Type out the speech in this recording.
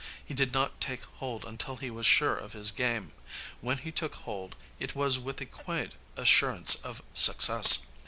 He did not take hold until he was sure of his game. When he took hold, it was with a quiet assurance of success.